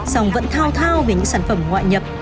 song vẫn thao thao về những sản phẩm ngoại nhập